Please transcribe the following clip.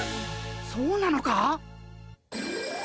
そうなのか！？